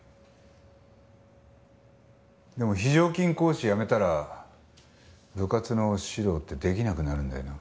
でも非常勤講師辞めたら部活の指導ってできなくなるんだよな？